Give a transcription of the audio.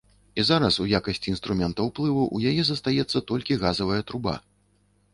І зараз у якасці інструмента ўплыву ў яе застаецца толькі газавая труба.